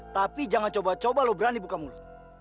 tapi jangan coba coba loh berani buka mulut